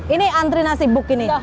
ini antri nasi buk ini